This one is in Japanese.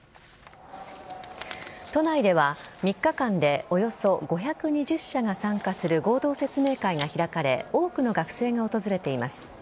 都内では３日間でおよそ５２０社が参加する合同説明会が開かれ多くの学生が訪れています。